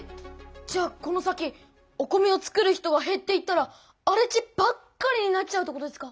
じゃあこの先お米を作る人がへっていったらあれ地ばっかりになっちゃうってことですか？